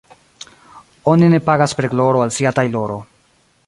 Oni ne pagas per gloro al sia tajloro.